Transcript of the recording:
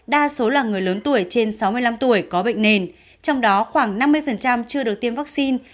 đa số là người lớn tuổi trên sáu mươi năm tuổi có bệnh nền trong đó khoảng năm mươi chưa được tiêm vaccine